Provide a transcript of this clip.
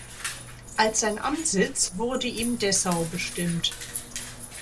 Als sein Amtssitz wurde ihm Dessau bestimmt.